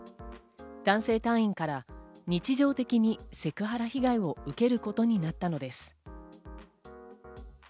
男性隊員から日常的にセクハラ被害を受けることになったのです。